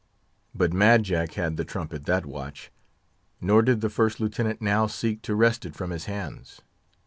But Mad Jack had the trumpet that watch; nor did the First Lieutenant now seek to wrest it from his hands.